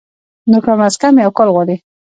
نو کم از کم يو کال غواړي